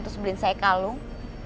terus beliin saya kalung